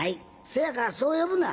せやからそう呼ぶな。